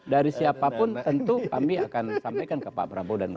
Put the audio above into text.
dari siapapun tentu kami akan sampaikan ke pak prabowo